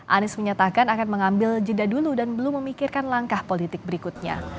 anies menyatakan akan mengambil jeda dulu dan belum memikirkan langkah politik berikutnya